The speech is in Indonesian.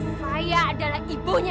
saya adalah ibunya